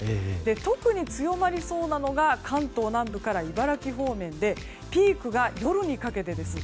特に強まりそうなのが関東南部から茨城方面でピークが夜にかけてです。